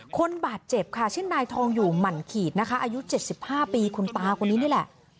คนบาดเจ็บค่ะชื่อนายทองอยู่หมั่นขีดนะคะอายุ๗๕ปีคุณตาคนนี้นี่แหละ